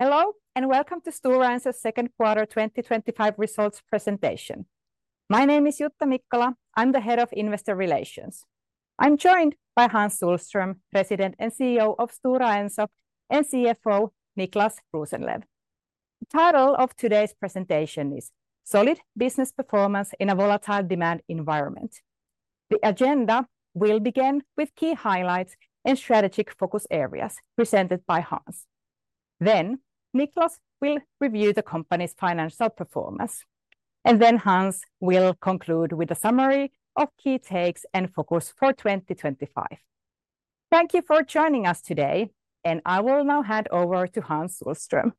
Hello, and welcome to Stora Ensar's Second Quarter twenty twenty five Results Presentation. My name is Jutta Mikkola. I'm the Head of Investor Relations. I'm joined by Hans Zulstrom, President and CEO of Stora Ensock and CFO, Niklas Brusenleb. The title of today's presentation is Solid Business Performance in a Volatile Demand Environment. The agenda will begin with key highlights and strategic focus areas presented by Hans. Then, Niklas will review the company's financial performance, and then Hans will conclude with a summary of key takes and focus for 2025. Thank you for joining us today, and I will now hand over to Hans Ulstrom.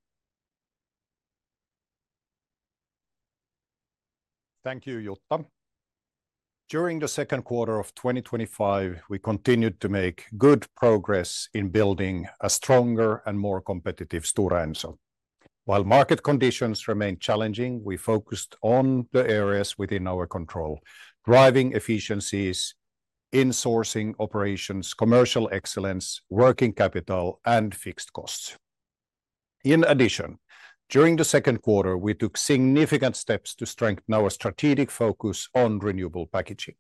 Thank you, Jotka. During the second quarter of twenty twenty five, we continued to make good progress in building a stronger and more competitive Stora Enso. While market conditions remain challenging, we focused on the areas within our control, driving efficiencies, insourcing operations, commercial excellence, working capital and fixed costs. In addition, during the second quarter, we took significant steps to strengthen our strategic focus on renewable packaging.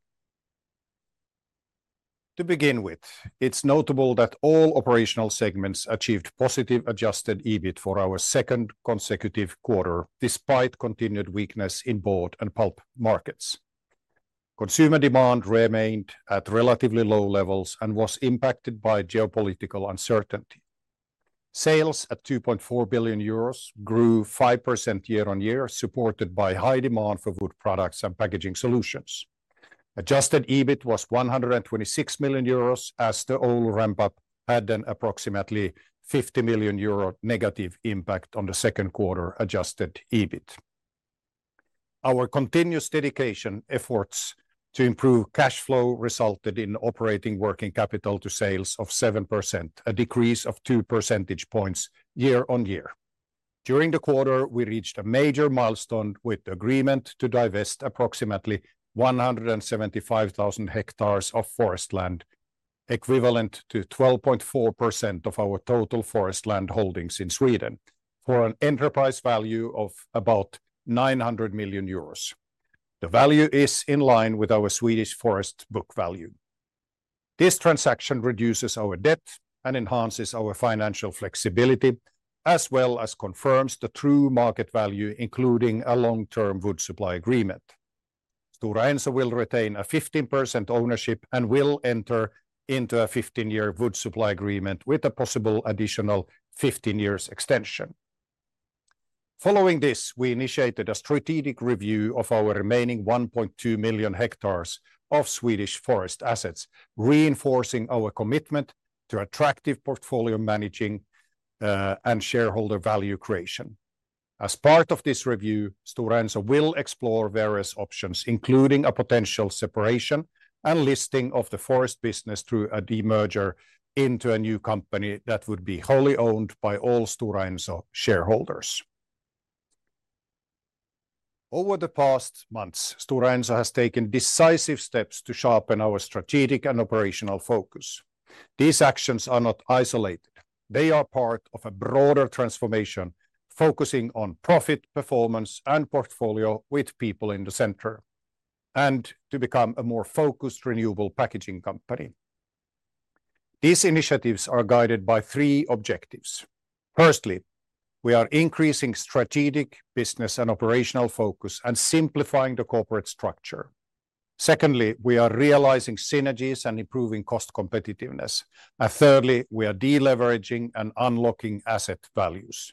To begin with, it's notable that all operational segments achieved positive adjusted EBIT for our second consecutive quarter despite continued weakness in board and pulp markets. Consumer demand remained at relatively low levels and was impacted by geopolitical uncertainty. Sales at €2,400,000,000 grew 5% year on year supported by high demand for wood products and packaging solutions. Adjusted EBIT was €126,000,000 as the old ramp up had an approximately €50,000,000 negative impact on the second quarter adjusted EBIT. Our continuous dedication efforts to improve cash flow resulted in operating working capital to sales of 7%, a decrease of two percentage points year on year. During the quarter, we reached a major milestone with agreement to divest approximately 175,000 hectares of forest land, equivalent to 12.4% of our total forest land holdings in Sweden for an enterprise value of about €900,000,000. The value is in line with our Swedish forest book value. This transaction reduces our debt and enhances our financial flexibility, as well as confirms the true market value including a long term wood supply agreement. Stora Enso will retain a 15% ownership and will enter into a fifteen year wood supply agreement with a possible additional fifteen years extension. Following this, we initiated a strategic review of our remaining 1,200,000 hectares of Swedish forest assets, reinforcing our commitment to attractive portfolio managing and shareholder value creation. As part of this review, Storanza will explore various options, including a potential separation and listing of the forest business through a demerger into a new company that would be wholly owned by all Stora Enso shareholders. Over the past months, Stora Enso has taken decisive steps to sharpen our strategic and operational focus. These actions are not isolated. They are part of a broader transformation focusing on profit performance and portfolio with people in the center and to become a more focused renewable packaging company. These initiatives are guided by three objectives. Firstly, we are increasing strategic business and operational focus and simplifying the corporate structure. Secondly, we are realizing synergies and improving cost competitiveness. And thirdly, we are deleveraging and unlocking asset values.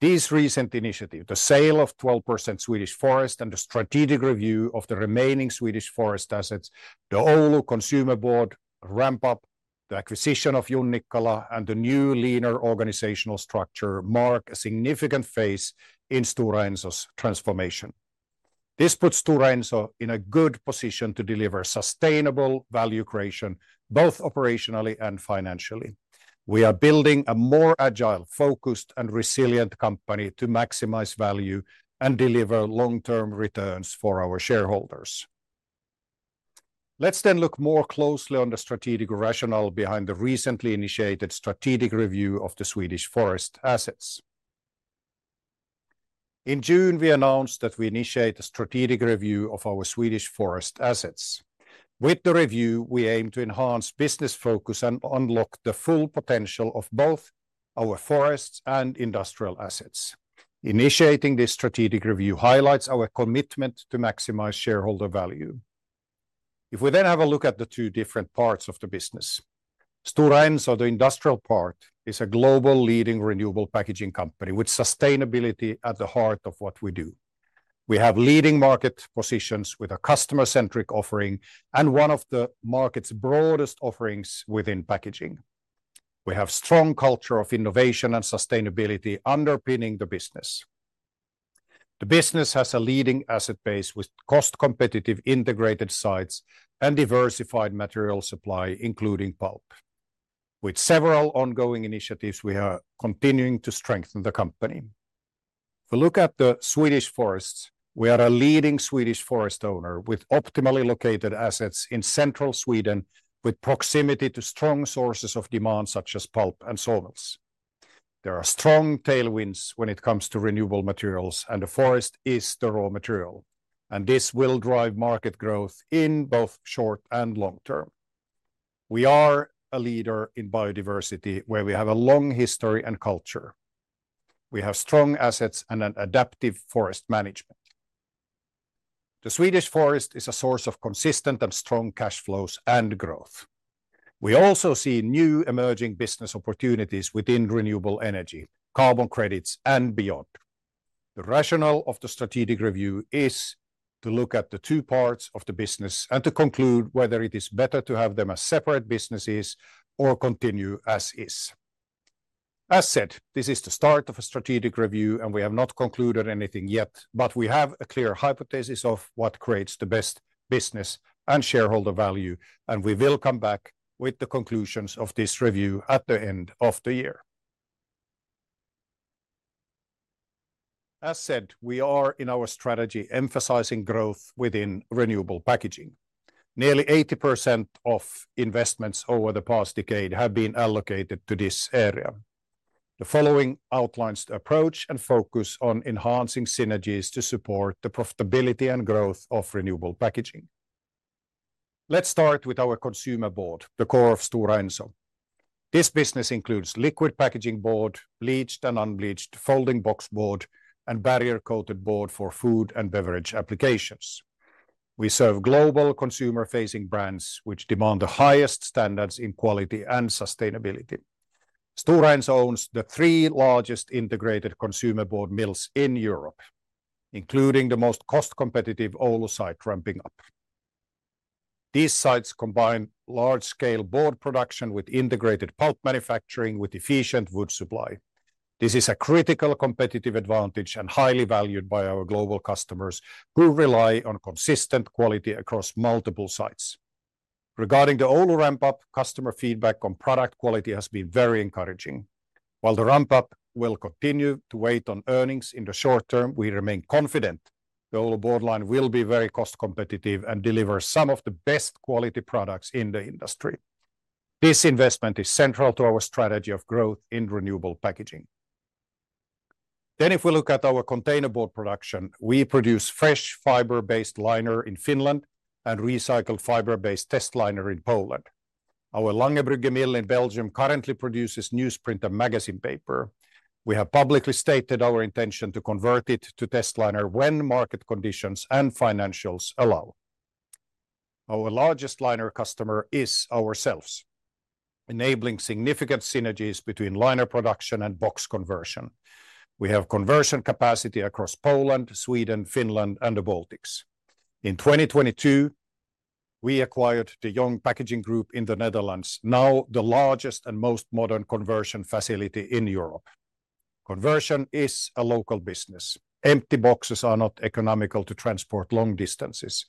These recent initiatives, the sale of 12% Swedish forest and the strategic review of the remaining Swedish forest assets, the Oulu consumer board ramp up, the acquisition of Jung Nicola, and the new leaner organizational structure mark a significant phase in Stora Enso's transformation. This puts Stora Enso in a good position to deliver sustainable value creation both operationally and financially. We are building a more agile, focused and resilient company to maximize value and deliver long term returns for our shareholders. Let's then look more closely on the strategic rationale behind the recently initiated strategic review of the Swedish forest assets. In June, we announced that we initiate a strategic review of our Swedish forest assets. With the review, we aim to enhance business focus and unlock the full potential of both our forests and industrial assets. Initiating this strategic review highlights our commitment to maximize shareholder value. If we then have a look at the two different parts of the business, Storenso, the industrial part, is a global leading renewable packaging company with sustainability at the heart of what we do. We have leading market positions with a customer centric offering and one of the market's broadest offerings within packaging. We have strong culture of innovation and sustainability underpinning the business. The business has a leading asset base with cost competitive integrated sites and diversified material supply including pulp. With several ongoing initiatives, are continuing to strengthen the company. If we look at the Swedish forests, we are a leading Swedish forest owner with optimally located assets in Central Sweden with proximity to strong sources of demand such as pulp and sawmills. There are strong tailwinds when it comes to renewable materials and the forest is the raw material and this will drive market growth in both short and long term. We are a leader in biodiversity where we have a long history and culture. We have strong assets and an adaptive forest management. The Swedish forest is a source of consistent and strong cash flows and growth. We also see new emerging business opportunities within renewable energy, carbon credits and beyond. The rationale of the strategic review is to look at the two parts of the business and to conclude whether it is better to have them as separate businesses or continue as is. As said, this is the start of a strategic review and we have not concluded anything yet, but we have a clear hypothesis of what creates the best business and shareholder value and we will come back with the conclusions of this review at the end of the year. As said, we are in our strategy emphasizing growth within renewable packaging. Nearly 80% of investments over the past decade have been allocated to this area. The following outlines approach and focus on enhancing synergies to support the profitability and growth of renewable packaging. Let's start with our consumer board, the core of Stora Enso. This business includes liquid packaging board, bleached and unbleached folding box board and barrier coated board for food and beverage applications. We serve global consumer facing brands, which demand the highest standards in quality and sustainability. Storenz owns the three largest integrated consumer board mills in Europe, including the most cost competitive Oulu site ramping up. These sites combine large scale board production with integrated pulp manufacturing with efficient wood supply. This is a critical competitive advantage and highly valued by our global customers who rely on consistent quality across multiple sites. Regarding the Oulu ramp up, customer feedback on product quality has been very encouraging. While the ramp up will continue to wait on earnings in the short term, we remain confident the Oulu board line will be very cost competitive and deliver some of the best quality products in the industry. This investment is central to our strategy of growth in renewable packaging. Then if we look at our containerboard production, we produce fresh fiber based liner in Finland and recycled fiber based test liner in Poland. Our Langebrugge Mill in Belgium currently produces newsprint and magazine paper. We have publicly stated our intention to convert it to test liner when market conditions and financials allow. Our largest liner customer is ourselves, enabling significant synergies between liner production and box conversion. We have conversion capacity across Poland, Sweden, Finland, and The Baltics. In 2022, we acquired the Young Packaging Group in The Netherlands, now the largest and most modern conversion facility in Europe. Conversion is a local business. Empty boxes are not economical to transport long distances.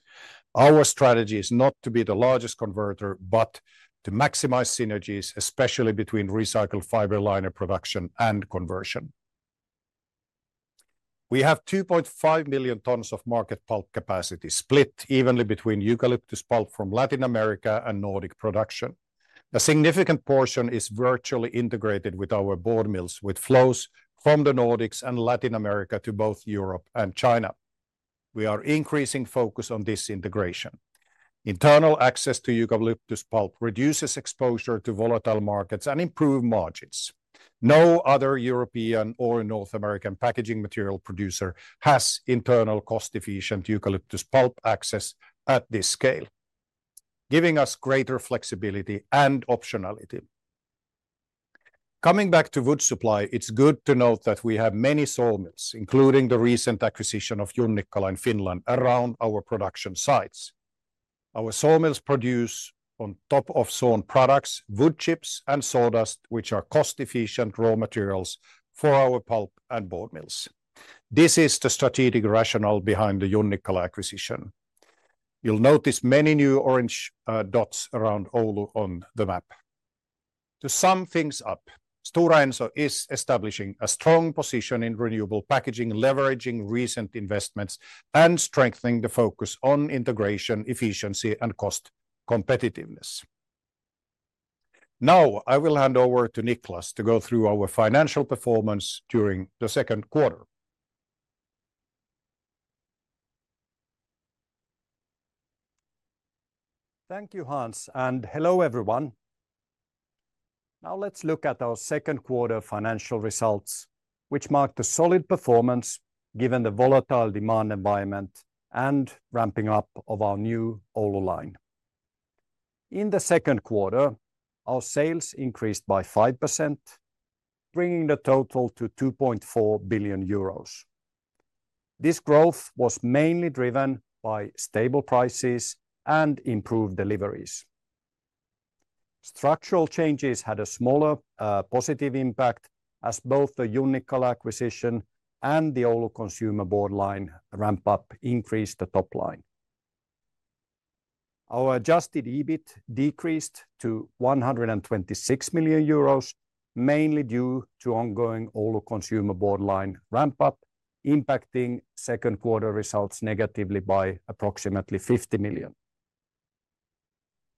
Our strategy is not to be the largest converter, but to maximize synergies especially between recycled fiber liner production and conversion. We have 2,500,000 tons of market pulp capacity split evenly between eucalyptus pulp from Latin America and Nordic production. A significant portion is virtually integrated with our board mills with flows from The Nordics and Latin America to both Europe and China. We are increasing focus on this integration. Internal access to eucalyptus pulp reduces exposure to volatile markets and improve margins. No other European or North American packaging material producer has internal cost efficient eucalyptus pulp access at this scale, giving us greater flexibility and optionality. Coming back to wood supply, it's good to note that we have many sawmills including the recent acquisition of Jornikola in Finland around our production sites. Our sawmills produce on top of sawn products wood chips and sawdust which are cost efficient raw materials for our pulp and board mills. This is the strategic rationale behind the Unicola acquisition. You'll notice many new orange dots around Oulu on the map. To sum things up, establishing a strong position in renewable packaging, leveraging recent investments and strengthening the focus on integration efficiency and cost competitiveness. Now I will hand over to Niklas to go through our financial performance during the second quarter. Thank you, Hans and hello everyone. Now let's look at our second quarter financial results, which marked a solid performance given the volatile demand environment and ramping up of our new Oulu line. In the second quarter, our sales increased by 5% bringing the total to €2,400,000,000. This growth was mainly driven by stable prices and improved deliveries. Structural changes had a smaller positive impact as both the Unicol acquisition and the Oulu Consumer Board line ramp up increased the top line. Our adjusted EBIT decreased to €126,000,000 mainly due to ongoing Oulu Consumer Board line ramp up impacting second quarter results negatively by approximately €50,000,000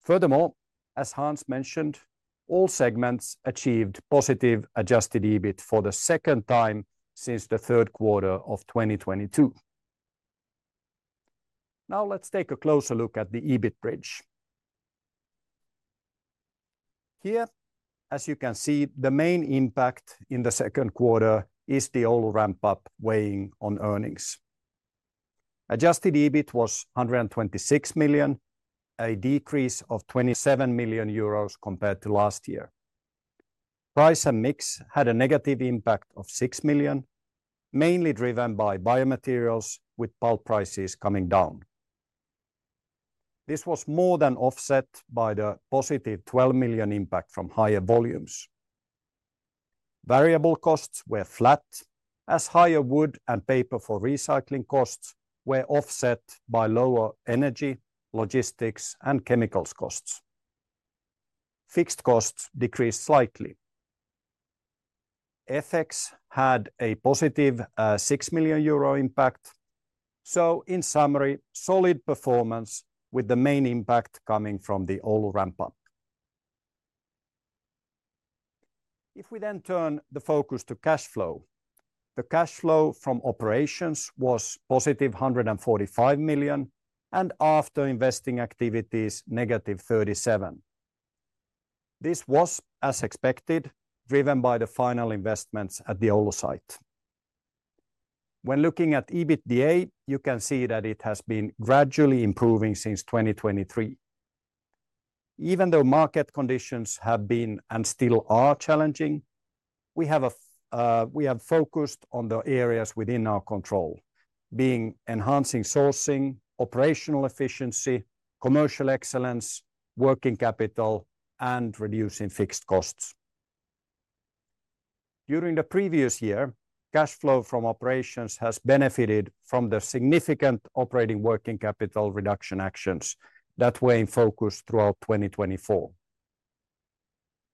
Furthermore, as Hans mentioned, all segments achieved positive adjusted EBIT for the second time since the third quarter of twenty twenty two. Now let's take a closer look at the EBIT bridge. Here as you can see the main impact in the second quarter is the all ramp up weighing on earnings. Adjusted EBIT was 126,000,000, a decrease of €27,000,000 compared to last year. Price and mix had a negative impact of 6,000,000, mainly driven by biomaterials with pulp prices coming down. This was more than offset by the positive 12,000,000 impact from higher volumes. Variable costs were flat as higher wood and paper for recycling costs were offset by lower energy, logistics, and chemicals costs. Fixed costs decreased slightly. FX had a positive €6,000,000 impact. So in summary, solid performance with the main impact coming from the all ramp up. If we then turn the focus to cash flow, the cash flow from operations was positive 145,000,000 and after investing activities negative 37. This was as expected driven by the final investments at the Olo site. When looking at EBITDA, you can see that it has been gradually improving since 2023. Even though market conditions have been and still are challenging, we have focused on the areas within our control being enhancing sourcing, operational efficiency, commercial excellence, working capital and reducing fixed costs. During the previous year, cash flow from operations has benefited from the significant operating working capital reduction actions that were in focus throughout 2024.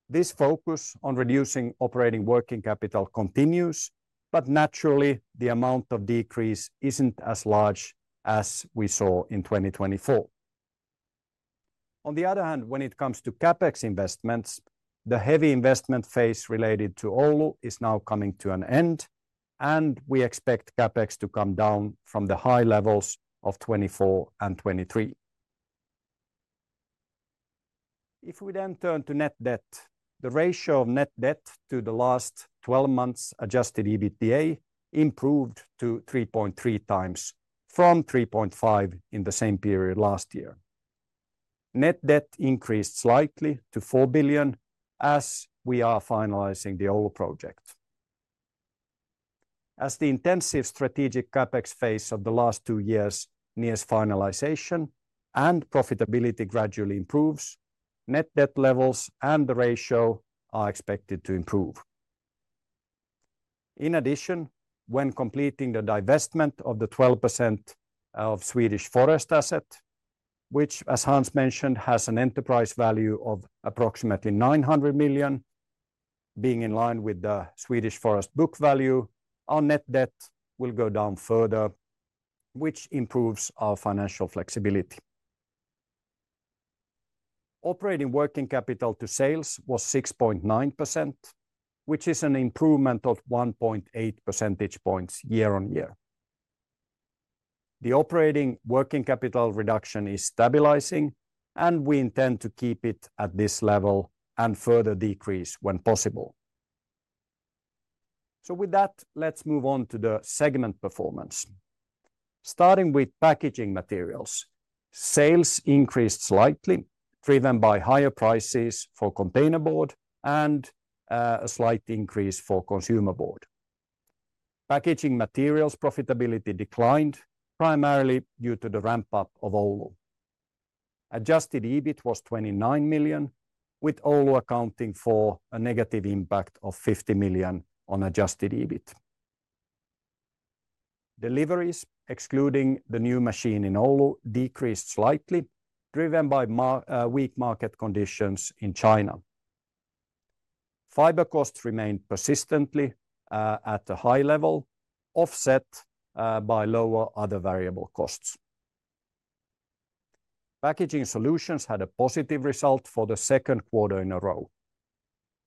This focus on reducing operating working capital continues, but naturally the amount of decrease isn't as large as we saw in 2024. On the other hand, when it comes to CapEx investments, the heavy investment phase related to Oulu is now coming to an end and we expect CapEx to come down from the high levels of '24 and '23. If we then turn to net debt, the ratio of net debt to the last twelve months adjusted EBITDA improved to 3.3 times from 3.5 in the same period last year. Net debt increased slightly to 4,000,000,000 as we are finalizing the old project. As the intensive strategic CapEx phase of the last two years nears finalization and profitability gradually improves, net debt levels and the ratio are expected to improve. In addition, when completing the divestment of the 12% of Swedish forest asset, which as Hans mentioned has an enterprise value of approximately 900,000,000 being in line with the Swedish forest book value, our net debt will go down further, which improves our financial flexibility. Operating working capital to sales was 6.9%, which is an improvement of 1.8 percentage points year on year. The operating working capital reduction is stabilizing and we intend to keep it at this level and further decrease when possible. So with that, let's move on to the segment performance. Starting with Packaging Materials, sales increased slightly driven by higher prices for containerboard and a slight increase for consumer board. Packaging Materials profitability declined primarily due to the ramp up of Oulu. Adjusted EBIT was 29,000,000 with Oulu accounting for a negative impact of 50,000,000 on adjusted EBIT. Deliveries excluding the new machine in Oulu decreased slightly driven by weak market conditions in China. Fiber costs remained persistently at the high level offset by lower other variable costs. Packaging Solutions had a positive result for the second quarter in a row.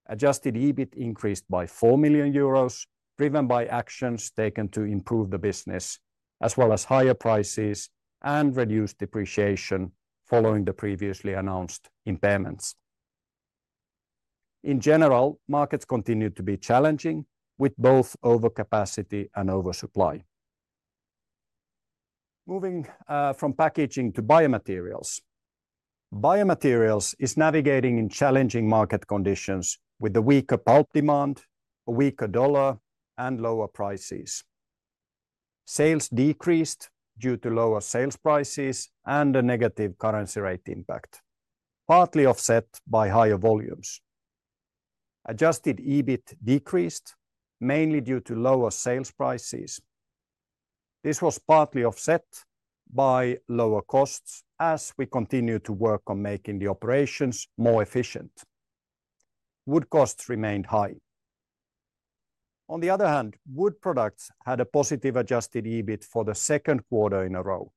Adjusted EBIT increased by €4,000,000 driven by actions taken to improve the business as well as higher prices and reduced depreciation following the previously announced impairments. In general, markets continued to be challenging with both overcapacity and oversupply. Moving from packaging to biomaterials. Biomaterials is navigating in challenging market conditions with the weaker pulp demand, a weaker dollar and lower prices. Sales decreased due to lower sales prices and a negative currency rate impact partly offset by higher volumes. Adjusted EBIT decreased mainly due to lower sales prices. This was partly offset by lower costs as we continue to work on making the operations more efficient. Wood costs remained high. On the other hand, Wood Products had a positive adjusted EBIT for the second quarter in a row.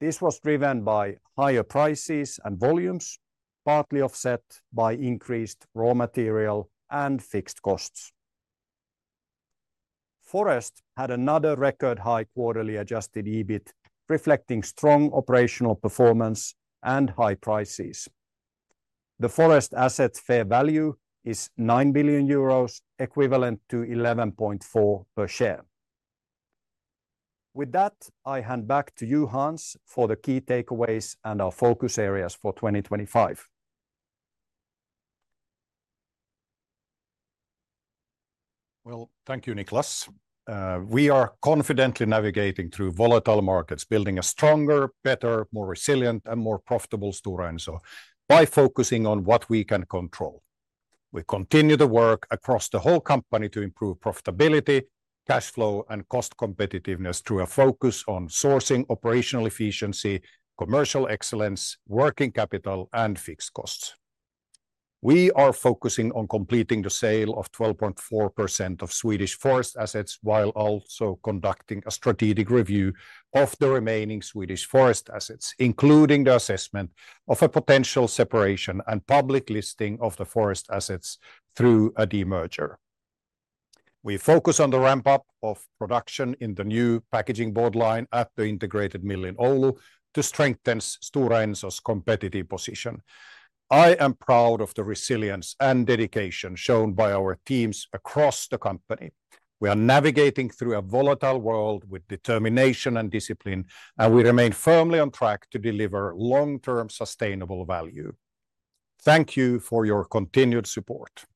This was driven by higher prices and volumes partly offset by increased raw material and fixed costs. Forest had another record high quarterly adjusted EBIT reflecting strong operational performance and high prices. The Forest assets fair value is €9,000,000,000 equivalent to 11.4 per share. With that, I hand back to you Hans for the key takeaways and our focus areas for 2025. Well, thank you, Nicolas. We are confidently navigating through volatile markets, building a stronger, better, more resilient and more profitable store and so by focusing on what we can control. We continue to work across the whole company to improve profitability, cash flow and cost competitiveness through a focus on sourcing, operational efficiency, commercial excellence, working capital and fixed costs. We are focusing on completing the sale of 12.4% of Swedish forest assets while also conducting a strategic review of the remaining Swedish forest assets, including the assessment of a potential separation and public listing of the forest assets through a demerger. We focus on the ramp up of production in the new packaging board line at the integrated mill in Oulu to strengthen Stora Enso's competitive position. I am proud of the resilience and dedication shown by our teams across the company. We are navigating through a volatile world with determination and discipline, and we remain firmly on track to deliver long term sustainable value. Thank you for your continued support.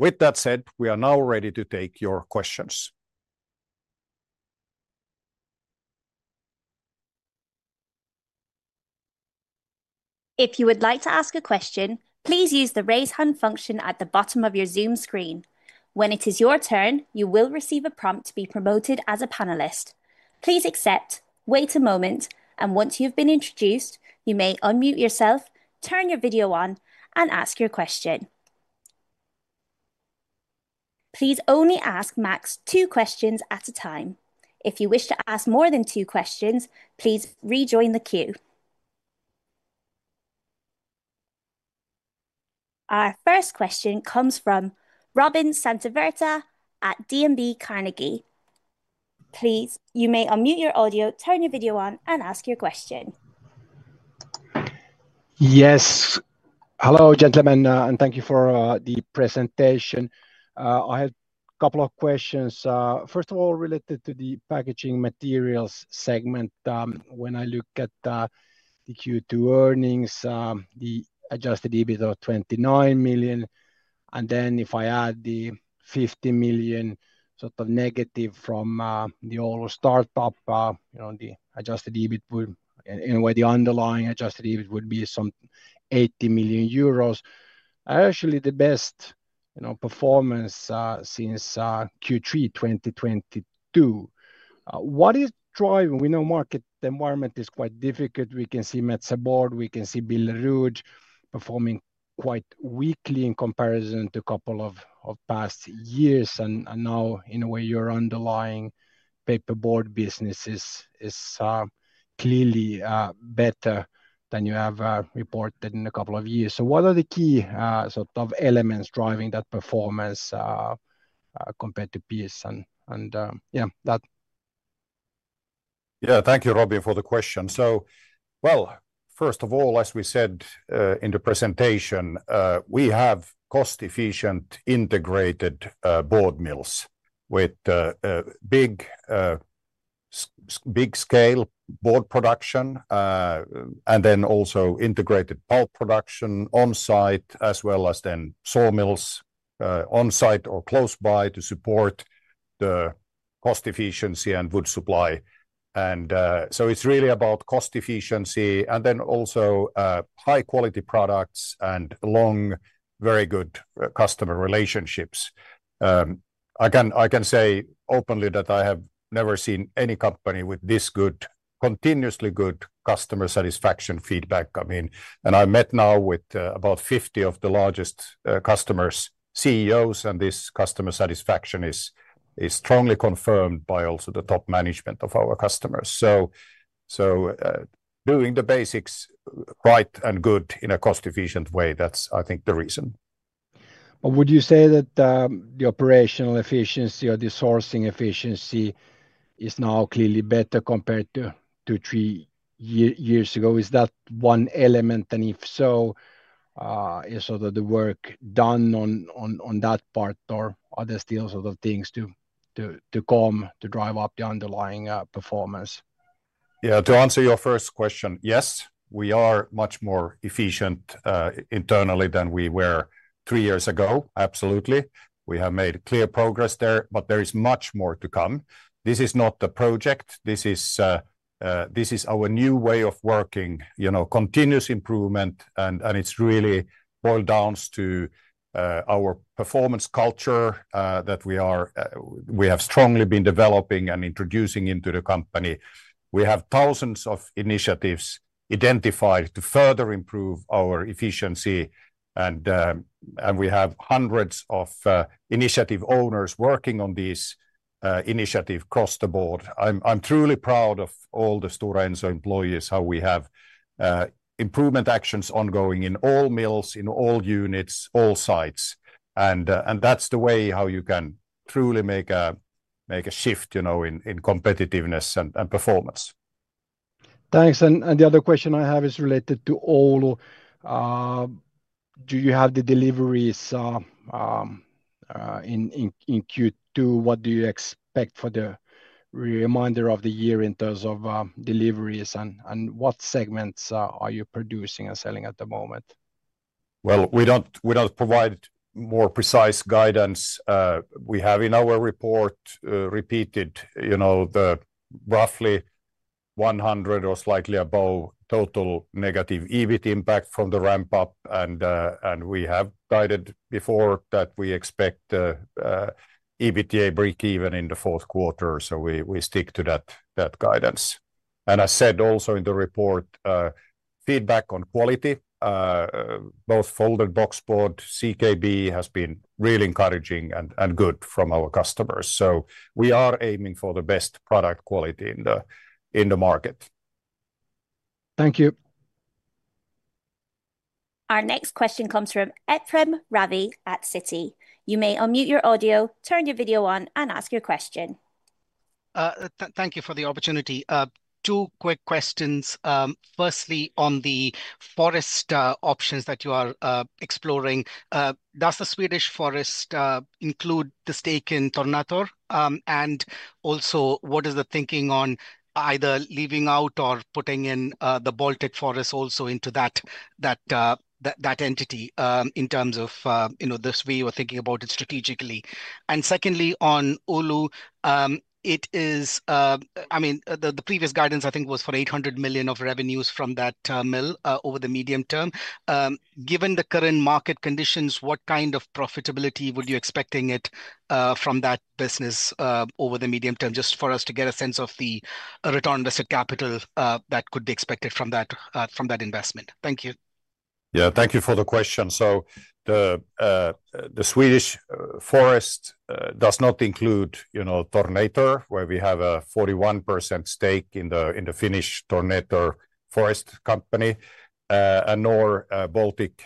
With that said, we are now ready to take your questions. If you would like to ask a question, please use the raise hand function at the bottom of your Zoom screen. When it is your turn, you will receive a prompt to be promoted as a panelist. Please accept, wait a moment, and once you've been introduced, you may unmute yourself, turn your video on, and ask your question. Please only ask Max two questions at a time. Our first question comes from Robin Santaverta at D and B Carnegie. Please, you may unmute your audio, turn your video on, and ask your question. Yes. Hello, gentlemen, and thank you for, the presentation. I had couple of questions. First of all, related to the packaging materials segment, when I look at Q2 earnings, the adjusted EBITDA of 29,000,000. And then if I add the 50,000,000 sort of negative from, the old start up, you know, the adjusted EBIT would anyway, the underlying adjusted EBIT would be some €80,000,000. Actually, the best, you know, performance, since, q three twenty twenty two. What is driving? We know market environment is quite difficult. We can see Metzabor. We can see Belarus performing quite weakly in comparison to couple of of past years. And and now in a way, underlying paperboard business is is clearly, better than you have reported in a couple of years. So what are the key sort of elements driving that performance compared to Pearson? And, yeah, that Yeah. Thank you, Robby, for the question. So, well, first of all, as we said in the presentation, we have cost efficient integrated board mills with big scale board production and then also integrated pulp production on-site as well as then sawmills on-site or close by to support the cost efficiency and wood supply. And so it's really about cost efficiency and then also high quality products and long very good customer relationships. I can I can say openly that I have never seen any company with this good continuously good customer satisfaction feedback come in? And I met now with about 50 of the largest customers, CEOs, and this customer satisfaction is is strongly confirmed by also the top management of our customers. So so doing the basics right and good in a cost efficient way, that's, I think, the reason. Would you say that the operational efficiency or the sourcing efficiency is now clearly better compared to two, three years ago. Is that one element? And if so, is sort of the work done on on on that part, or are there still sort of things to to to come to drive up the underlying, performance? Yeah. To answer your first question, yes, we are much more efficient internally than we were three years ago, absolutely. We have made clear progress there, but there is much more to come. This is not a project. This is this is our new way of working, you know, continuous improvement, and and it's really boiled down to our performance culture that we are we have strongly been developing and introducing into the company. We have thousands of initiatives identified to further improve our efficiency, and we have hundreds of initiative owners working on this initiative across the board. I'm truly proud of all the Stora Enso employees, how we have improvement actions ongoing in all mills, in all units, all sites. And that's the way how you can truly make a shift in competitiveness and performance. Thanks. And the other question I have is related to Oulu. Do you have the deliveries in Q2? What do you expect for the remainder of the year in terms of deliveries? And what segments are you producing and selling at the moment? Well, we provide more precise guidance. We have in our report repeated the roughly 100 or slightly above total negative EBIT impact from the ramp up. And we have guided before that we expect EBITDA breakeven in the fourth quarter, so we stick to that guidance. And I said also in the report, feedback on quality, both folded boxboard, CKB has been really encouraging and good from our customers. So we are aiming for the best product quality in the market. Thank you. Our next question comes from Efrem Ravy at Citi. Two quick questions. Firstly, on the forest options that you are exploring. Does the Swedish forest, include the stake in Tornator? And also, what is the thinking on either leaving out or putting in, the Baltic Forest also into that that that entity, in terms of, you know, this way you are thinking about it strategically? And secondly, on Oulu, it is, I mean, the the previous guidance, I think, was for 800,000,000 of revenues from that mill, over the medium term. Given the current market conditions, what kind of profitability would you expecting it from that business over the medium term? Just for us to get a sense of the return on invested capital that could be expected from that investment. Thank you. Yeah. Thank you for the question. So the the Swedish forest does not include, you know, Tornator, where we have a 41% stake in the in the Finnish Tornator forest company and nor Baltic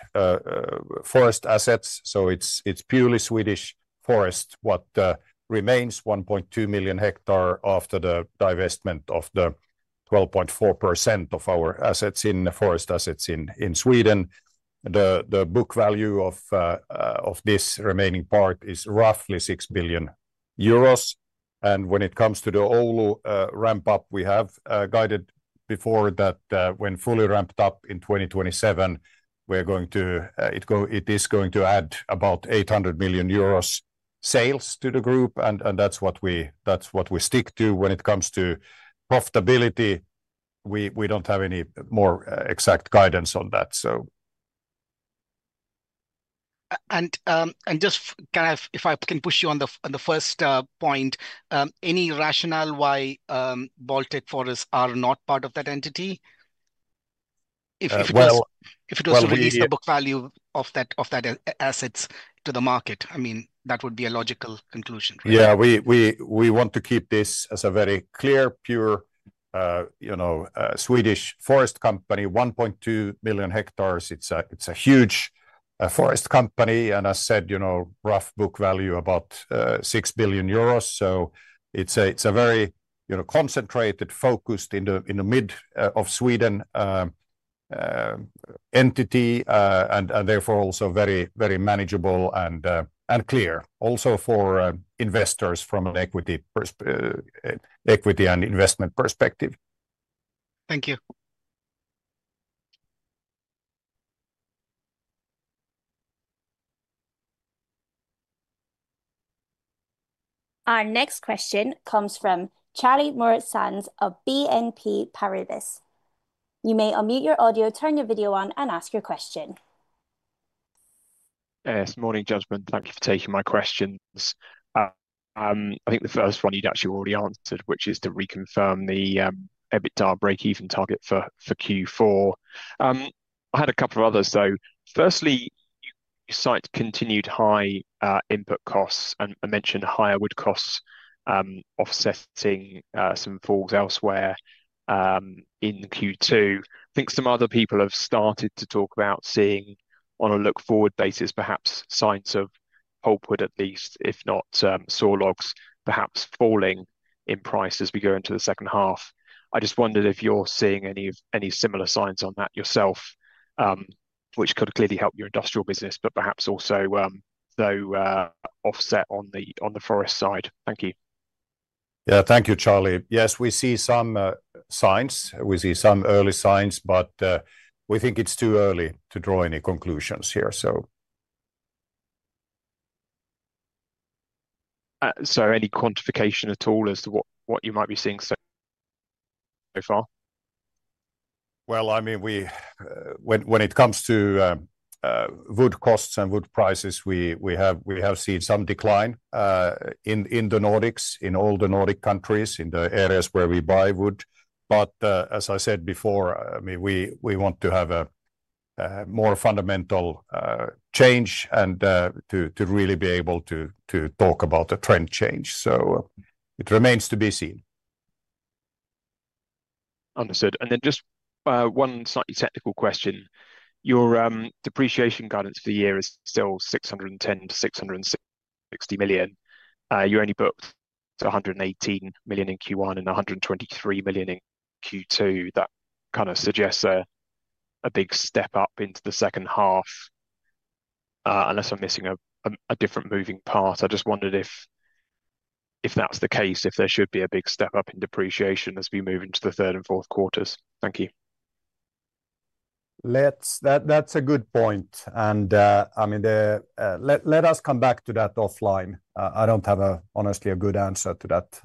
forest assets. So it's purely Swedish forest what remains 1,200,000 hectare after the divestment of the 12.4% of our assets in forest assets in Sweden. The book value of this remaining part is roughly €6,000,000,000. And when it comes to the Oulu ramp up, we have guided before that when fully ramped up in 2027, we're going to it go it is going to add about €800,000,000 sales to the group, and and that's what we that's what we stick to when it comes to profitability. We don't have any more exact guidance on that. So And just kind of if I can push you on the first point, any rationale why Baltic Forest are not part of that entity? If if it was if it was released the book value of that of that assets to the market, I mean, that would be a logical conclusion. Yeah. We we we want to keep this as a very clear, pure, you know, Swedish forest company, 1,200,000 hectares. It's a it's a huge forest company. And as said, you know, rough book value about €6,000,000,000. So it's a it's a very, you know, concentrated focused in the in the Mid Of Sweden entity and and therefore also very, very manageable and and clear also for investors from an equity equity and investment perspective. Our next question comes from Charlie Moritz Sands of BNP Paribas. I think the first one you'd actually already answered, which is to reconfirm the EBITDA breakeven target for Q4. I had a couple of others. So firstly, you cite continued high input costs and and mentioned higher wood costs offsetting some falls elsewhere in q two. I think some other people have started to talk about seeing on a look forward basis, perhaps signs of pulpwood at least, if not sawlogs perhaps falling in price as we go into the second half. I just wondered if you're seeing any similar signs on that yourself, which could clearly help your industrial business, but perhaps also though offset on the forest side? Thank you. Yes. Thank you, Charlie. Yes, we see some signs. We see some early signs, but we think it's too early to draw any conclusions here. So any quantification at all as to what what you might be seeing so far? Well, I mean, we when when it comes to wood costs and wood prices, we we have we have seen some decline in in The Nordics, in all the Nordic countries, in the areas where we buy wood. But as I said before, I mean, we we want to have a more fundamental change and to really be able to talk about the trend change. So it remains to be seen. Understood. And then just one slightly technical question. Your depreciation guidance for the year is still $610,000,000 to $660,000,000 You only booked $118,000,000 in Q1 and 123,000,000 Q2, that kind of suggests a big step up into the second half, unless I'm missing a different moving part. I just wondered if that's the case, if there should be a big step in depreciation as we move into the third and fourth quarters. Thank you. Let's that's a good point. And I mean, the let us come back to that offline. I don't have a, honestly, a good answer to that.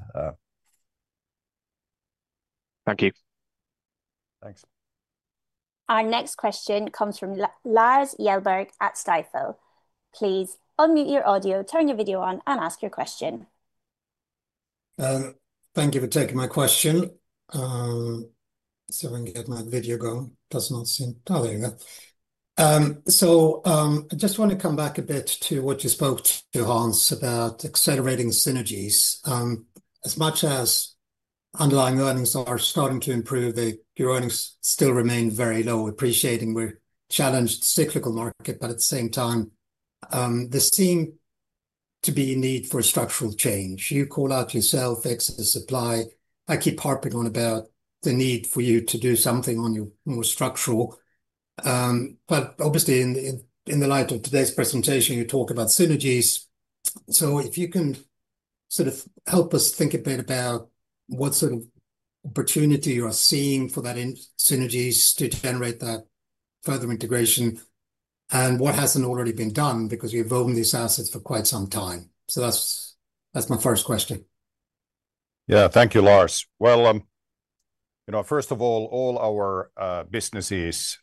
Thank you. Thanks. Our next question comes from Lars Kjellberg at Stifel. Please unmute your audio, turn your video on, and ask your question. Thank you for taking my question. So I just want to come back a bit to what you spoke to, Hans, about accelerating synergies. As much as underlying earnings are starting to improve, your earnings still remain very low appreciating with a challenged cyclical market, but at the same time, there seem to be a need for structural change. You call out yourself, exit the supply. I keep harping on about the need for you to do something on your more structural, but obviously in the light of today's presentation, you talk about synergies. So if you can sort of help us think a bit about what sort of opportunity you are seeing for that in synergies to generate that further integration and what hasn't already been done because you've owned these assets for quite some time. So that's that's my first question. Yeah. Thank you, Lars. Well, you know, first of all, all our businesses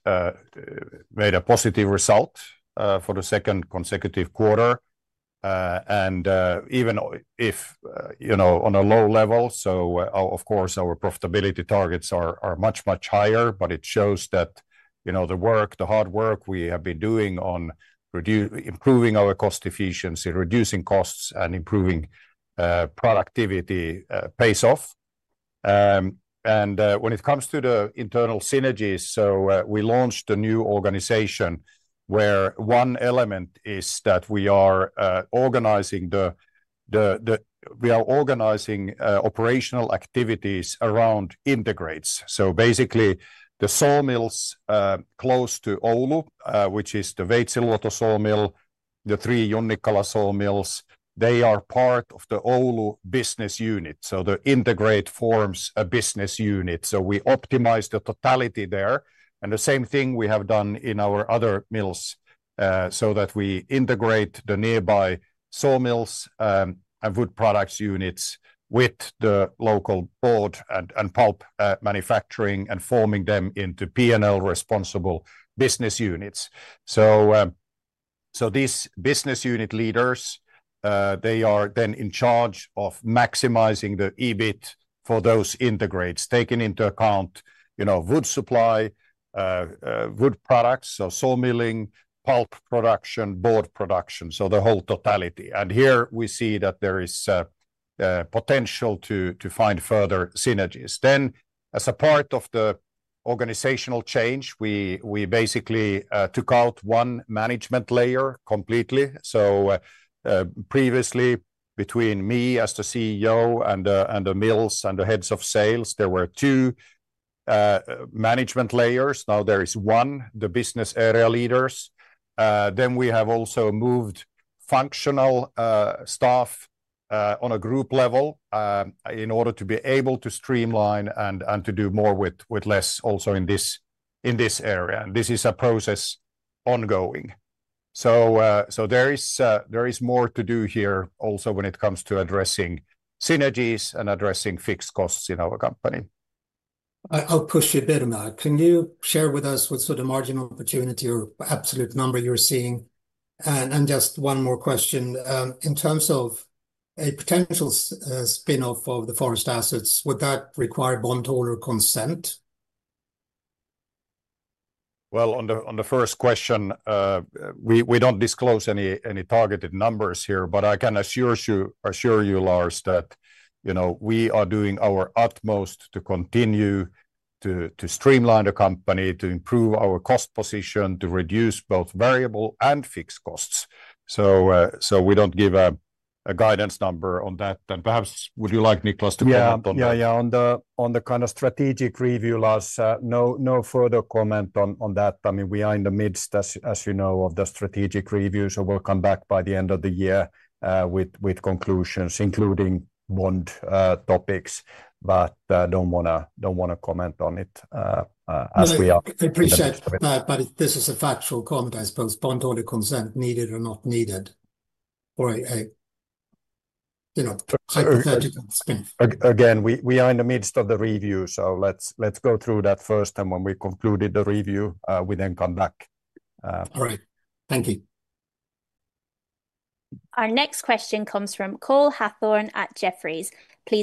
made a positive result for the second consecutive quarter. And even if, you know, on a low level, so of course, our profitability targets are are much, much higher, but it shows that, you know, the work, the hard work we have been doing on improve improving our cost efficiency, reducing costs, and improving productivity pays off. And when it comes to the internal synergies, so we launched a new organization where one element is that we are organizing the the the we are organizing operational activities around integrates. So, basically, the sawmills close to Oulu, which is the Weitzelotto sawmill, the three Jonnikala sawmills, they are part of the Oulu business unit. So the integrate forms a business unit. So we optimize the totality there. And the same thing we have done in our other mills so that we integrate the nearby sawmills and wood products units with the local board and and pulp manufacturing and forming them into p and l responsible business units. So so these business unit leaders, they are then in charge of maximizing the EBIT for those integrates taking into account, you know, wood supply, wood products, so saw milling, pulp production, board production, so the whole totality. And here, we see that there is potential to to find further synergies. Then as a part of the organizational change, we we basically took out one management layer completely. So previously, between me as the CEO and the and the mills and the heads of sales, there were two management layers. Now there is one, the business area leaders. Then we have also moved functional staff on a group level in order to be able to streamline and and to do more with with less also in this in this area. And this is a process ongoing. So so there is there is more to do here also when it comes to addressing synergies and addressing fixed costs in our company. I'll push you a bit on that. Can you share with us what sort of margin opportunity or absolute number you're seeing? And and just one more question. In terms of a potential spin off of the forest assets, would that require bondholder consent? Well, on the on the first question, we we don't disclose any any targeted numbers here, but I can assure you assure you, Lars, that, you know, we are doing our utmost to continue to to streamline the company, to improve our cost position, to reduce both variable and fixed costs. So so we don't give a a guidance number on that. And perhaps, would you like Nicolas to comment on that? Yeah. Yeah. On the on the kind of strategic review, Lars, no no further comment on on that. I mean, we are in the midst, as as you know, of the strategic review, so we'll come back by the end of the year with with conclusions, including bond topics, but don't wanna don't wanna comment on it as we are I appreciate that, but this is a factual comment. Suppose bond order consent needed or not needed for a a, you know, hypothetical. Again, we we are in the midst of the review, so let's let's go through that first. And when we concluded the review, we then come back. Alright. Thank you. Our next question comes from Cole Hathorn at Jefferies. I'd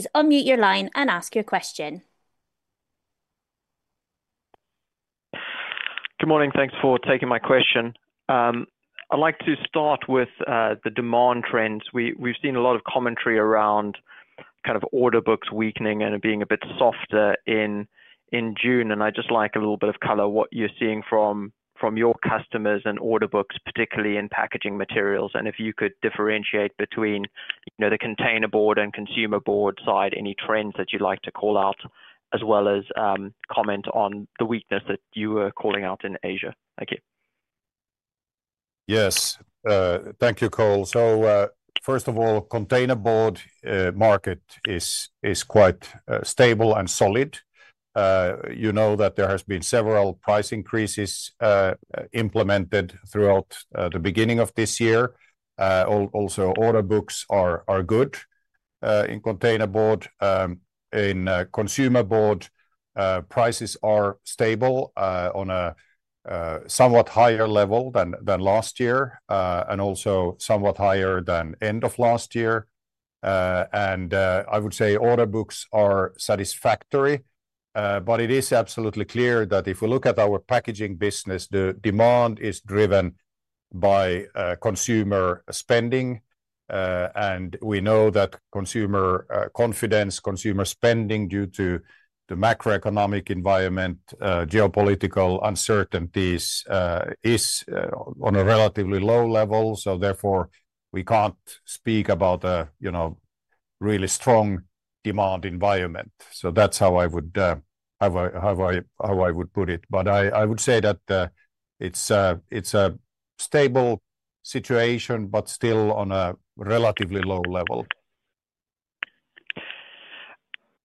like to start with the demand trends. We've seen a lot of commentary around kind of order books weakening and it being a bit softer in June. And I'd like a little bit of color what you're seeing from your customers and order books, particularly in packaging materials. And if you could differentiate between the containerboard and consumer board side, any trends that you'd like to call out as well as comment on the weakness that you were calling out in Asia? Thank you. Yes. Thank you, Cole. So first of all, containerboard market is quite stable and solid. You know that there has been several price increases implemented throughout the beginning of this year. Also, order books are are good in containerboard. In consumer board, prices are stable on a somewhat higher level than than last year and also somewhat higher than end of last year. And I would say order books are satisfactory, but it is absolutely clear that if we look at our packaging business, the demand is driven by consumer spending. And we know that consumer confidence, consumer spending due to the macroeconomic environment, geopolitical uncertainties is on a relatively low level. So, therefore, we can't speak about a, you know, really strong demand environment. So that's how I would how I how I how I would put it. But I I would say that it's a stable situation, but still on a relatively low level.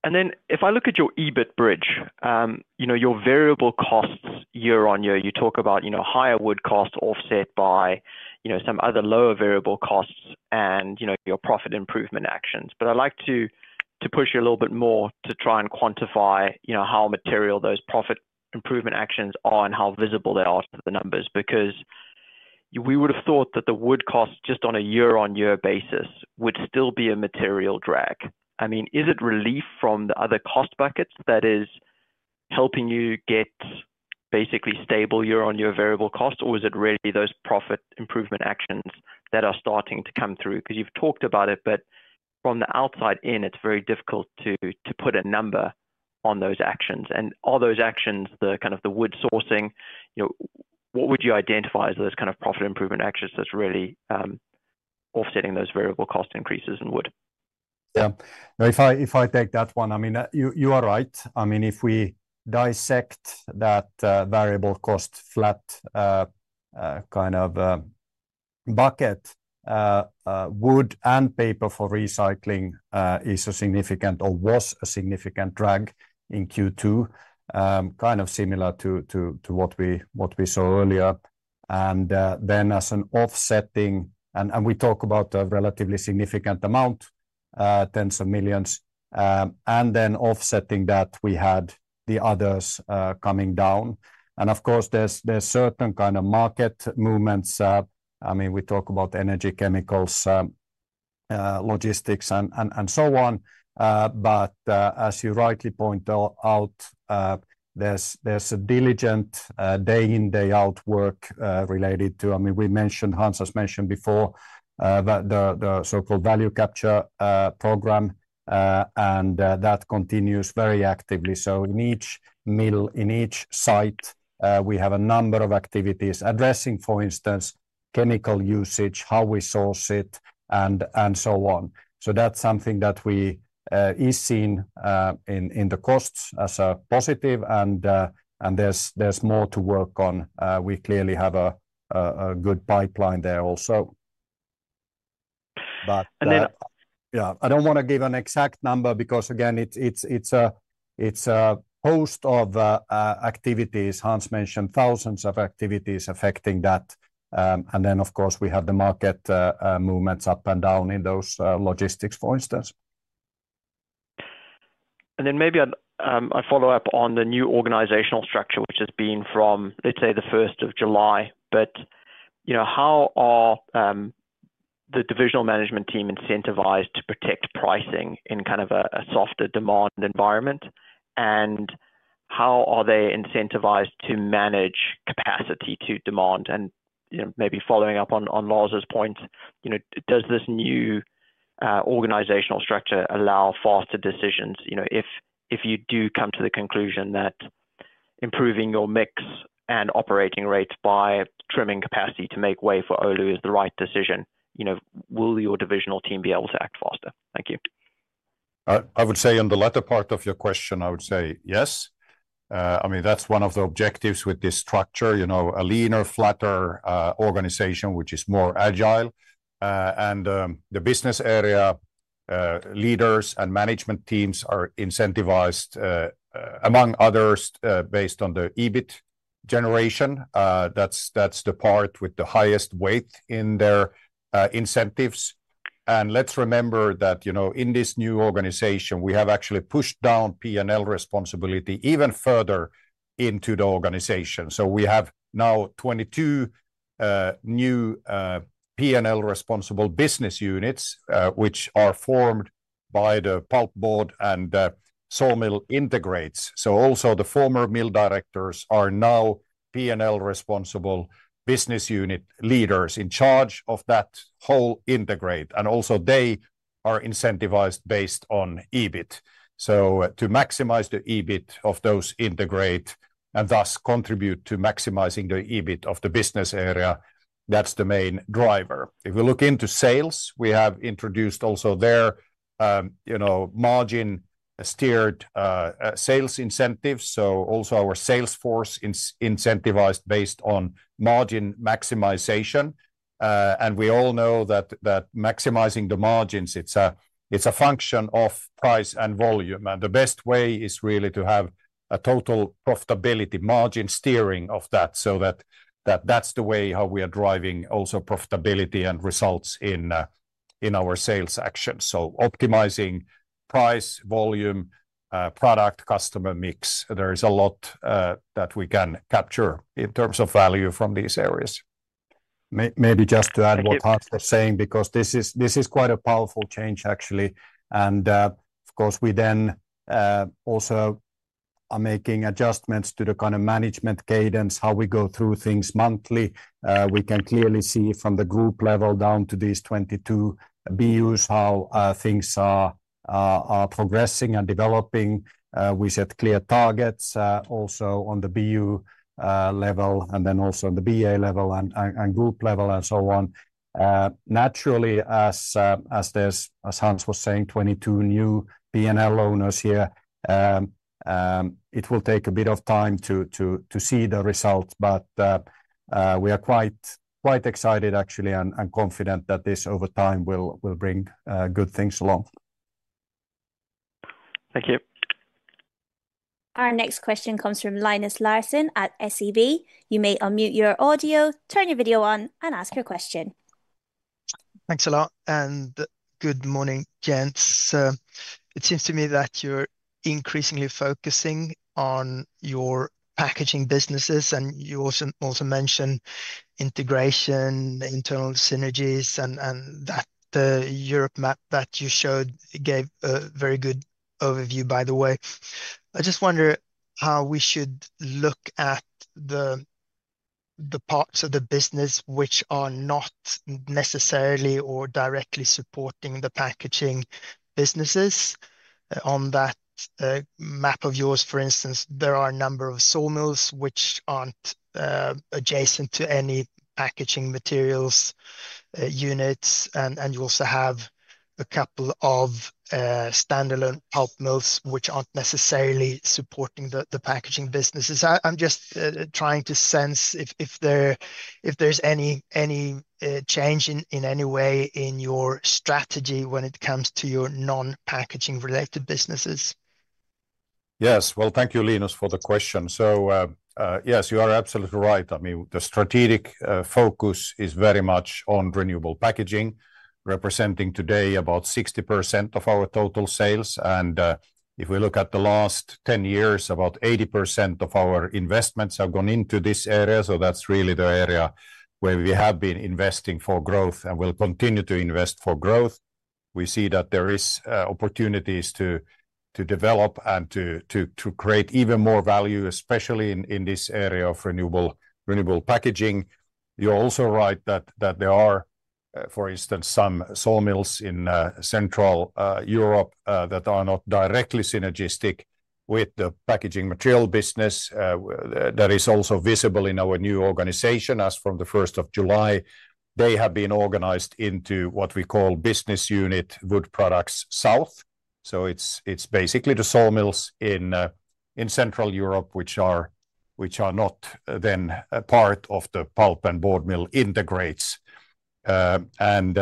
And then if I look at your EBIT bridge, your variable costs year on year, you talk about higher wood costs offset by some other lower variable costs and your profit improvement actions. But I'd like to push you a little bit more to try and quantify how material those profit improvement actions are and how visible they are to the numbers because we would have thought that the wood cost, just on a year on year basis, would still be a material drag. I mean is it relief from the other cost buckets that is helping you get basically stable year on year variable costs? Or is it really those profit improvement actions that are starting to come through? Because you've talked about it, but from the outside in, it's very difficult to put a number on those actions. And are those actions the kind of the wood sourcing, what would you identify as those kind of profit improvement actions that's really offsetting those variable cost increases in wood? Yeah. No. If I if I take that one, I mean, you you are right. I mean, if we dissect that variable cost flat kind of bucket, wood and paper for recycling is a significant or was a significant drag in q two, kind of similar to to to what we what we saw earlier. And then as an offsetting and and we talk about a relatively significant amount, tens of millions. And then offsetting that, we had the others coming down. And, of course, there's there's certain kind of market movements. I mean, we talk about energy, chemicals, logistics, and and and so on. But as you rightly point out, there's there's a diligent day in, day out work related to I mean, we mentioned Hans has mentioned before about the the so called value capture program, and that continues very actively. So in each mill, in each site, we have a number of activities addressing, for instance, chemical usage, how we source it, and and so on. So that's something that we is seen in in the costs as a positive, and and there's there's more to work on. We clearly have a a a good pipeline there also. But And then Yeah. I don't wanna give an exact number because, again, it's it's it's a it's a post of activities. Hans mentioned thousands of activities affecting that. And then, of course, we have the market movements up and down in those logistics, for instance. And then maybe I'd follow-up on the new organizational structure, which has been from, let's say, the July 1. But how are the divisional management team incentivized protect pricing in kind of a softer demand environment? And how are they incentivized to manage capacity to demand? And maybe following up on Lars' point, does this new organizational structure allow faster decisions? If you do come to the conclusion that improving your mix and operating rates by trimming capacity to make way for Olu is the right decision, you know, will your divisional team be able to act faster? Thank you. I I would say on the latter part of your question, I would say yes. I mean, that's one of the objectives with this structure, you know, a leaner, flatter organization, which is more agile. And the business area leaders and management teams are incentivized among others based on the EBIT generation. That's that's the part with the highest weight in their incentives. And let's remember that, you know, in this new organization, we have actually pushed down p and l responsibility even further into the organization. So we have now 22 new p and l responsible business units, which are formed by the pulp board and sawmill integrates. So also the former mill directors are now p and l responsible business unit leaders in charge of that whole integrate. And also they are incentivized based on EBIT. So to maximize the EBIT of those integrate and thus contribute to maximizing the EBIT of the business area, that's the main driver. If we look into sales, we have introduced also there, you know, margin steered sales incentives. So also our Salesforce incentivized based on margin maximization. And we all know that that maximizing the margins, it's a it's a function of price and volume. And the best way is really to have a total profitability margin steering of that so that that that's the way how we are driving also profitability and results in in our sales action. So optimizing price, volume, product, customer mix, there is a lot that we can capture in terms of value from these areas. May maybe just to add what Hart was saying because this is this is quite a powerful change, actually. And, of course, we then also are making adjustments to the kind of management cadence, how we go through things monthly. We can clearly see from the group level down to these 22 BUs how things are are progressing and developing. We set clear targets also on the BU level and then also on the BA level and and and group level and so on. Naturally, as as there's as Hans was saying, 22 new P and L owners here, it will take a bit of time to to to see the results, but we are quite quite excited actually and and confident that this over time will will bring good things along. Thank you. Our next question comes from Linus Larsen at SEB. You may unmute your audio, turn your video on and ask your question. Thanks a lot, and good morning, gents. It seems to me that you're increasingly focusing on your packaging businesses, and you also mentioned integration, the internal synergies and that the Europe map that you showed gave a very good overview, by the way. I just wonder how we should look at the the parts of the business which are not necessarily or directly supporting the packaging businesses. On that map of yours, for instance, there are a number of sawmills which aren't adjacent to any packaging materials, units, and and you also have a couple of, stand alone pulp mills, which aren't necessarily supporting the the packaging businesses. I I'm just trying to sense if if there there's any change in any way in your strategy when it comes to your nonpackaging related businesses. Yes. Well, thank you, Linus, for the question. So yes, you are absolutely right. I mean, the strategic focus is very much on renewable packaging, representing today about 60% of our total sales. And if we look at the last ten years, about 80% of our investments have gone into this area. So that's really the area where we have been investing for growth and will continue to invest for growth. We see that there is opportunities develop and to create even more value, especially in this area of renewable packaging. You're also right that there are, for instance, some sawmills in Central Europe that are not directly synergistic with the packaging material business that is also visible in our new organization as from the July 1. They have been organized into what we call business unit wood products south. So it's it's basically the sawmills in in Central Europe, which are which are not then a part of the pulp and board mill integrates. And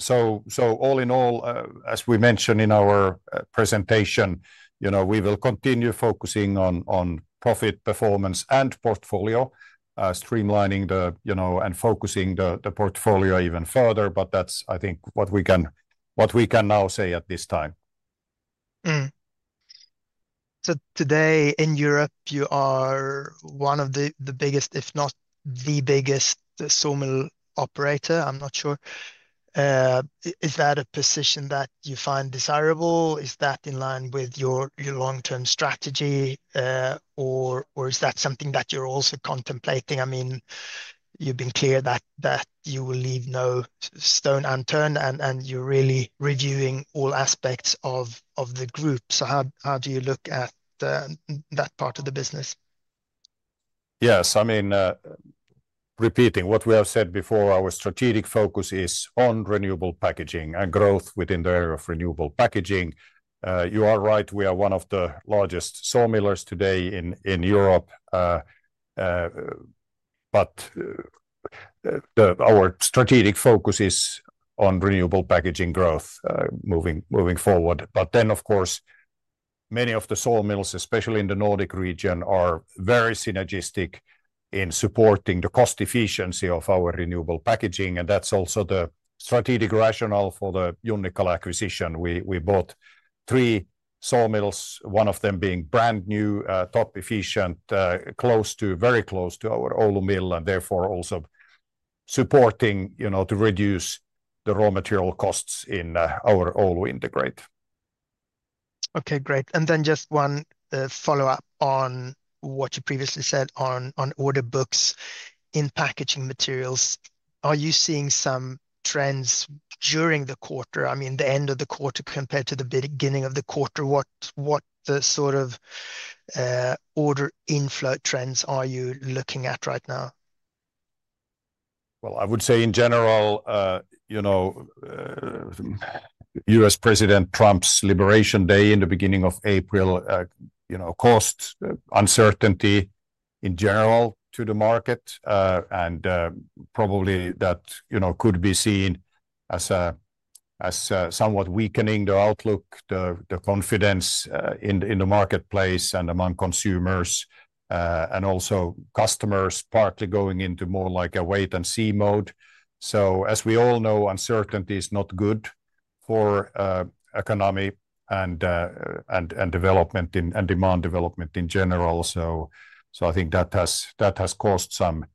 so so all in all, as we mentioned in our presentation, you know, we will continue focusing on on profit performance and portfolio, streamlining the you know, and focusing the the portfolio even further, but that's, I think, what we can what we can now say at this time. So today in Europe, you are one of the the biggest, if not the biggest, sawmill operator. I'm not sure. Is that a position that you find desirable? Is that in line with your your long term strategy, or or is that something that you're also contemplating? I mean, you've been clear that you will leave no stone unturned, and you're really reviewing all aspects of the group. So how do you look at that part of the business? Yes. I mean, repeating what we have said before, our strategic focus is on renewable packaging and growth within the area of renewable packaging. You are right. We are one of the largest sawmillers today in in Europe, but the our strategic focus is on renewable packaging growth moving moving forward. But then, of course, many of the sawmills, especially in the Nordic region, are very synergistic in supporting the cost efficiency of our renewable packaging, and that's also the strategic rationale for the Unical acquisition. We we bought three sawmills, one of them being brand new, top efficient, close to very close to our old mill, and therefore, also supporting, you know, to reduce the raw material costs in our old integrate. Okay. Great. And then just one follow-up on what you previously said on on order books in packaging materials. Are you seeing some trends during the quarter? I mean, the end of the quarter compared to the beginning of the quarter. What what the sort of order inflow trends are you looking at right now? Well, I would say in general, you know, US President Trump's Liberation Day in the April, you know, caused uncertainty in general to the market and probably that, you know, could be seen as a as a somewhat weakening the outlook, the the confidence in in the marketplace and among consumers and also customers partly going into more like a wait and see mode. So as we all know, uncertainty is not good for economy and and development in and demand development in general. So so I think that has that has caused some,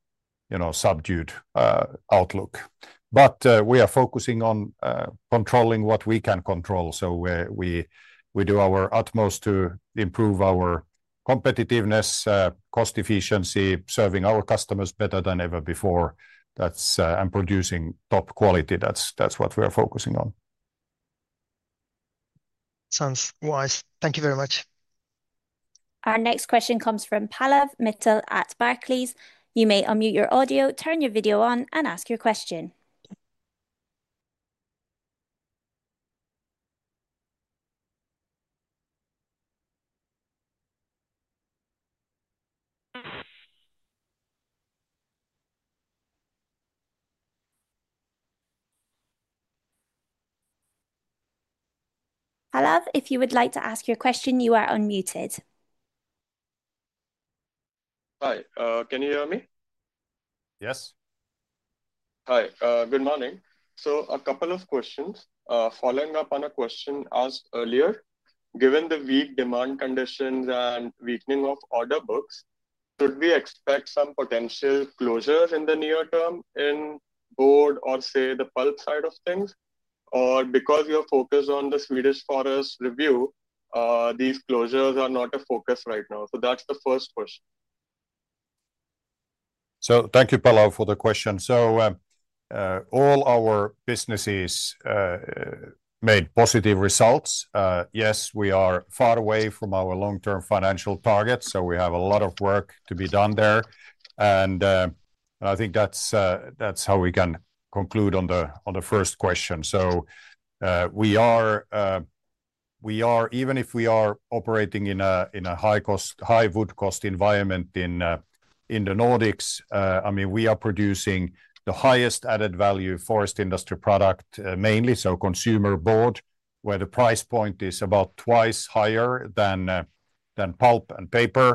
you know, subdued outlook. But we are focusing on controlling what we can control. So we we do our utmost to improve our competitiveness, cost efficiency, serving our customers better than ever before. That's and producing top quality. That's that's what we are focusing on. Sounds wise. Thank you very much. Our next question comes from Pallav Mitel at Barclays. Hello. If you would like to ask your question, you are unmuted. Hi. Can you hear me? Yes. Hi. Good morning. So a couple of questions. Following up on a question asked earlier, given the weak demand conditions and weakening of order books, could we expect some potential closures in the near term in board or, say, the pulp side of things? Or because you're focused on the Swedish forest review, these closures are not a focus right now? So that's the first question. So thank you, Pallav, for the question. So all our businesses made positive results. Yes. We are far away from our long term financial targets, so we have a lot of work to be done there. And I think that's that's how we can conclude on the on the first question. So we are we are even if we are operating in a in a high cost high wood cost environment in The Nordics, I mean, we are producing the highest added value forest industry product mainly, so consumer board, where the price point is about twice higher than pulp and paper.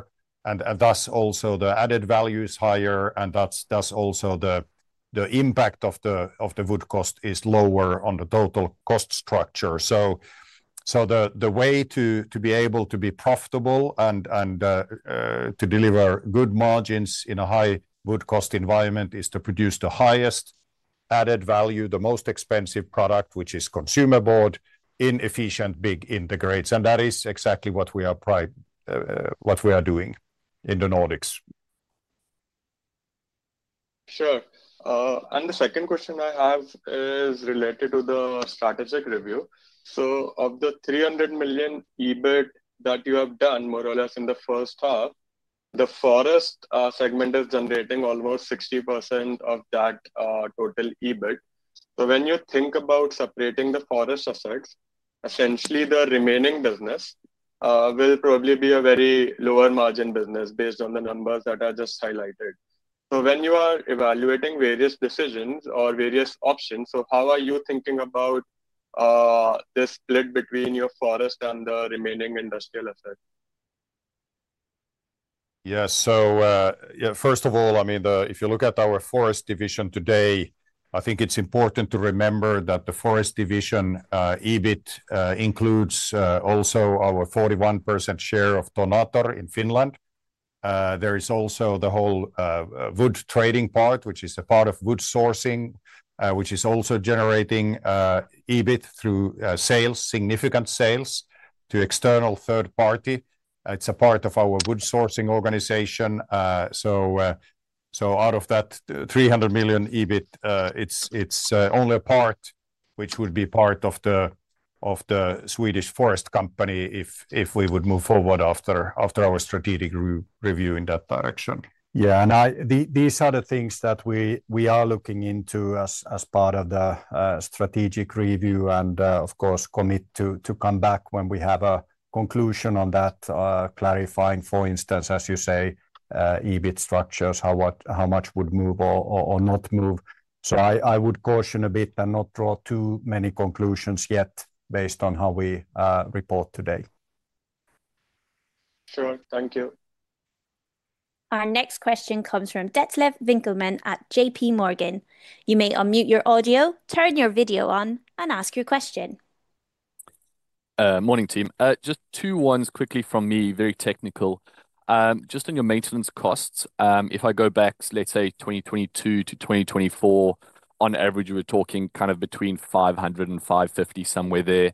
And and thus also the added value is higher, and that's that's also the the impact of the of the wood cost is lower on the total cost structure. So so the the way to to be able to be profitable and and to deliver good margins in a high good cost environment is to produce the highest added value, the most expensive product, which is consumer board, inefficient big integrates. And that is exactly what we are pride what we are doing in The Nordics. Sure. And the second question I have is related to the strategic review. So of the 300,000,000 EBIT that you have done more or less in the first half, the forest segment is generating almost 60% of that total EBIT. So when you think about separating the forest assets, essentially, the remaining business will probably be a very lower margin business based on the numbers that I just highlighted. So when you are evaluating various decisions or various options, so how are you thinking about, the split between your forest and the remaining industrial asset? Yes. So, yeah, first of all, I mean, if you look at our forest division today, I think it's important to remember that the forest division EBIT includes also our 41% share of Tonator in Finland. There is also the whole wood trading part, which is a part of wood sourcing, which is also generating EBIT through sales, significant sales to external third party. It's a part of our good sourcing organization. So so out of that 300,000,000 EBIT, it's it's only a part which would be part of the of the Swedish forest company if if we would move forward after after our strategic review in that direction. Yeah. And I the these are the things that we we are looking into as as part of the strategic review and, of course, commit to to come back when we have a conclusion on that clarifying, for instance, as you say, EBIT structures, how much would move or not move. So I would caution a bit and not draw too many conclusions yet based on how we report today. Sure. Thank you. Our next question comes from Detlev Winkelmann at JPMorgan. You may unmute your audio, turn your video on and ask your question. Morning, team. Just two ones quickly from me, very technical. Just on your maintenance costs, if I go back, let's say, 2022 to 2024, on average, you were talking kind of between 500 and $5.50, somewhere there.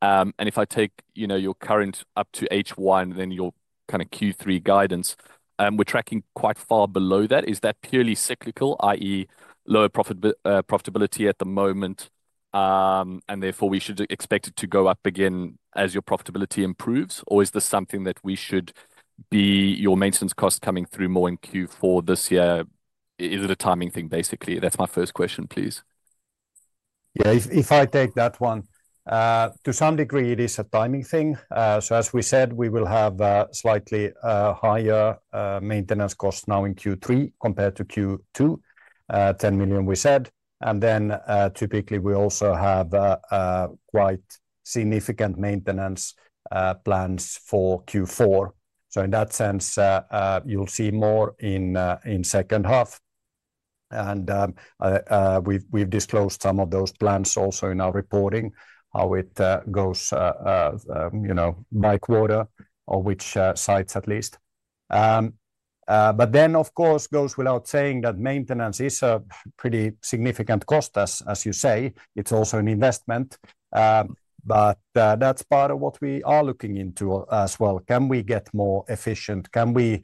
And if I take, you know, your current up to h one, then your kinda q three guidance, we're tracking quite far below that. Is that purely cyclical, I e, lower profit profitability at the moment, and therefore, we should expect it to go up again as your profitability improves? Or is this something that we should be your maintenance costs coming through more in q four this year? Is it a timing thing, basically? That's my first question, please. Yeah. If if I take that one, to some degree, it is a timing thing. So as we said, we will have slightly higher maintenance costs now in q three compared to q two, 10,000,000 we said. And then typically, we also have quite significant maintenance plans for Q4. So in that sense, you'll see more in second half. And we've we've disclosed some of those plans also in our reporting, how it goes, you know, by quarter or which sites at least. But then, of course, goes without saying that maintenance is a pretty significant cost as you say. It's also an investment, but that's part of what we are looking into as well. Can we get more efficient? Can we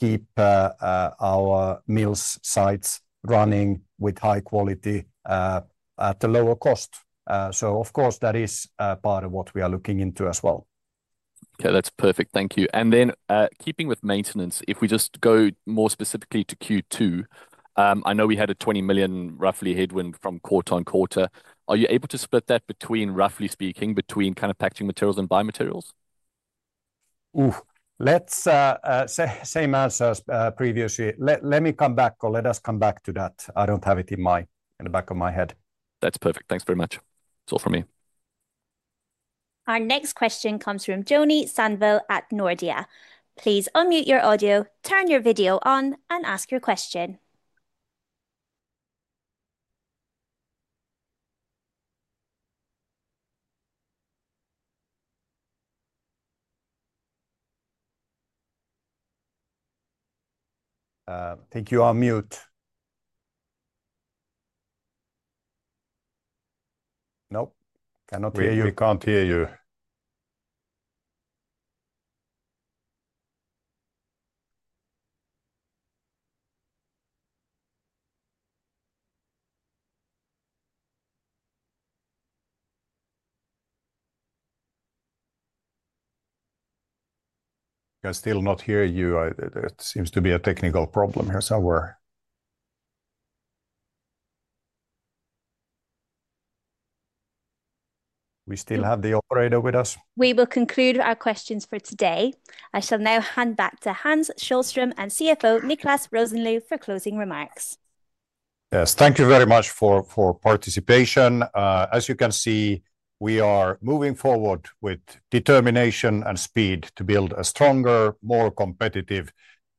keep our mills sites running with high quality at a lower cost? So of course, that is part of what we are looking into as well. Okay. That's perfect. Thank you. And then keeping with maintenance, if we just go more specifically to q two, I know we had a 20,000,000 roughly headwind from quarter on quarter. Are you able to split that between, roughly speaking, between kind of packaging materials and biomaterials? Let's same answers previously. Let let me come back or let us come back to that. I don't have it in my in the back of my head. That's perfect. Thanks very much. That's all for me. Our next question comes from Joni Sandville at Nordea. Please unmute your audio, turn your video on, and ask your question. Think you're on mute. Nope. Cannot hear you. We can't hear you. I still not hear you. I there seems to be a technical problem here somewhere. We still have the operator with us. We will conclude our questions for today. I shall now hand back to Hans Scholstrom and CFO, Niklas Rosenleu, for closing remarks. Yes. Thank you very much for participation. As you can see, we are moving forward with determination and speed to build a stronger, more competitive,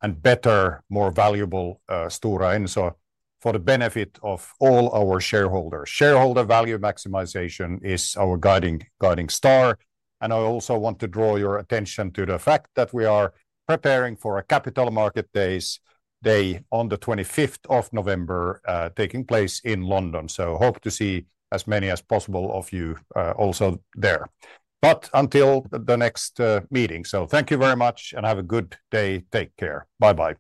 and better, more valuable Stora Enso for the benefit of all our shareholders. Shareholder value maximization is our guiding guiding star, and I also want to draw your attention to the fact that we are preparing for a Capital Market Days Day on the November 25 taking place in London. So hope to see as many as possible of you also there. But until the next meeting. So thank you very much, and have a good day. Take care. Bye bye.